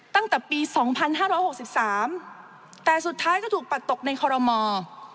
ตั้งแต่ปี๒๕๖๓แต่สุดท้ายก็ถูกปัดตกในคอรมอล์